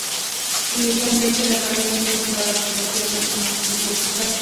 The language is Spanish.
Inicialmente la caña fue cultivada por los fiyianos como un cultivo fiscal.